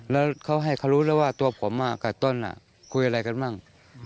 แล้วเขาให้เขารู้แล้วว่าตัวผมกับต้นคุยอะไรกันบ้าง